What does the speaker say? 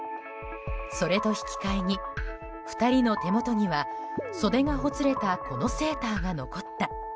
それと引き換えに２人の手元には袖がほつれたこのセーターが残った。